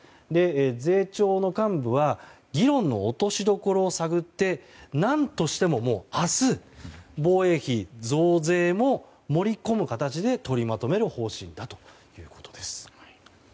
税調の幹部は議論の落としどころを探って何としても明日防衛費増税も盛り込む形で取りまとめる方針だということです。